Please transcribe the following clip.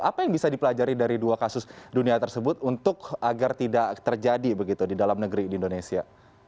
apa yang bisa dipelajari dari dua kasus dunia tersebut untuk agar tidak terjadi begitu di dalam negeri di indonesia